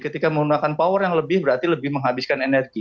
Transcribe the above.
ketika menggunakan power yang lebih berarti lebih menghabiskan energi